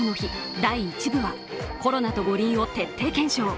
第１部は、コロナと五輪を徹底検証